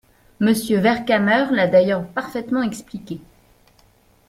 Monsieur Vercamer l’a d’ailleurs parfaitement expliqué.